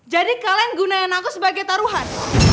jadi kalian gunain aku sebagai taruhan